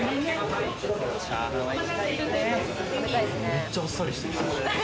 めっちゃあっさりしてる。